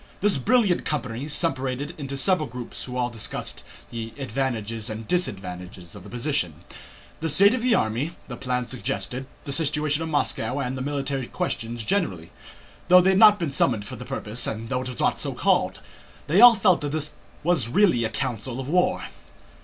This brilliant company separated into several groups who all discussed the advantages and disadvantages of the position, the state of the army, the plans suggested, the situation of Moscow, and military questions generally. Though they had not been summoned for the purpose, and though it was not so called, they all felt that this was really a council of war.